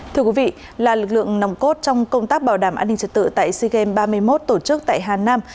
thưa quý vị là lực lượng nòng cốt trong công tác bảo đảm an ninh trật tự tại sea games ba mươi một tổ chức tại hà nam